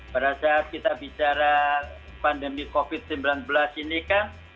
pada saat kita bicara pandemi covid sembilan belas ini kan